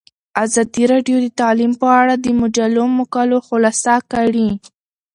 ازادي راډیو د تعلیم په اړه د مجلو مقالو خلاصه کړې.